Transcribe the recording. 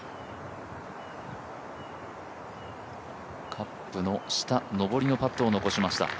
カップの下、上りのパットを残しました。